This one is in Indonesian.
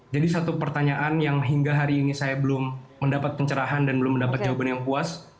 jadi satu pertanyaan yang hingga hari ini saya belum mendapat pencerahan dan belum mendapat jawaban yang puas